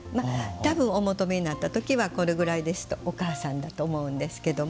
たぶん、お求めになったときはこれぐらいですとお母さんだと思うんですけど。